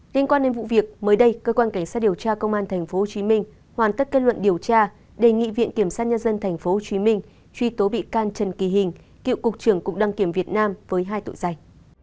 liên quan đến vụ việc mới đây cơ quan cảnh sát điều tra công an tp hcm hoàn tất kết luận điều tra đề nghị viện kiểm sát nhân dân tp hcm truy tố bị can trần kỳ hình cựu cục trưởng cục đăng kiểm việt nam với hai tội danh